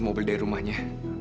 mobil dari rumahnya